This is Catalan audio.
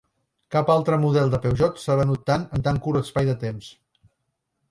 Cap altre model de Peugeot s'ha venut tant en tan curt espai de temps.